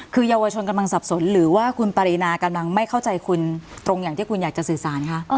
คือเยาวชนกำลังสับสนหรือว่าคุณปรินากำลังไม่เข้าใจคุณตรงอย่างที่คุณอยากจะสื่อสารคะ